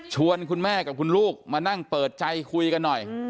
คุณแม่กับคุณลูกมานั่งเปิดใจคุยกันหน่อย